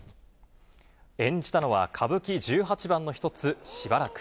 演じたのは歌舞伎十八番の一つ、暫。